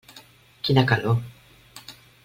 Quina calor.